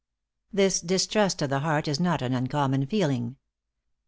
This distrust of the heart is not an uncommon feeling.